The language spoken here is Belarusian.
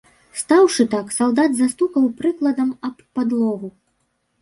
Стаўшы так, салдат застукаў прыкладам аб падлогу.